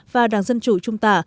và đảng dân chủ trung tả